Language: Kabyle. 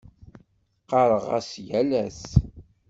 Ɣɣareɣ-as yal ass.